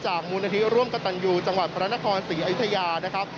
จากมูลหน้าที่ร่วมกระตัญญูจังหวัดพระนครศรีอยุธยา